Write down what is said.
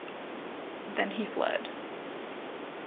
Then he fled.